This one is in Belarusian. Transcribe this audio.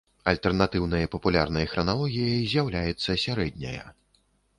Альтэрнатыўнай папулярнай храналогіяй з'яўляецца сярэдняя.